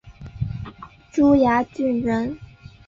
珠崖郡人。